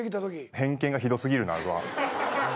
偏見がひどすぎるなとは。